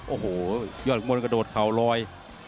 โอ้โหยอดขุมโดดเข่ารอย